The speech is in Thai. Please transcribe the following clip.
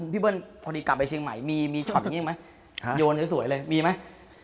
พี่เบิ่นพอดีกลับไปเชียงใหม่มีชอตแบบนี้ยังไหมโยนสวยเลยมีไหม